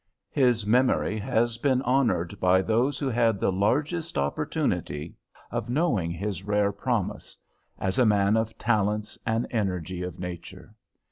His memory has been honored by those who had the largest opportunity of knowing his rare promise, as a man of talents and energy of nature.